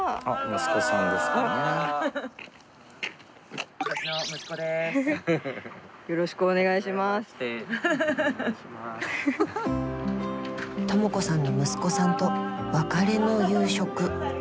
倫子さんの息子さんと別れの夕食。